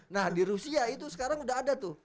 nah di rusia itu sekarang udah ada tuh